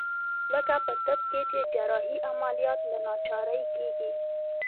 لکه په طب کښې چې جراحي عمليات له ناچارۍ کېږي.